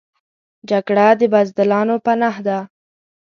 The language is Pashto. جګړه د بزدلانو پناه ده